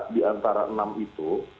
di antara enam itu